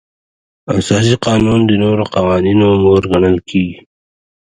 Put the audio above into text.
اساسي قانون د نورو قوانینو مور ګڼل کیږي.